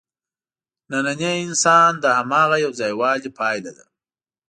نننی انسان د هماغه یوځایوالي پایله ده.